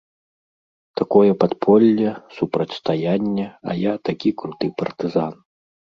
Такое падполле, супрацьстаянне, а я такі круты партызан.